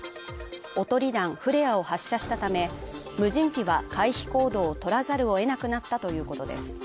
おとり弾フレアを発射したため、無人機は回避行動を取らざるを得なくなったということです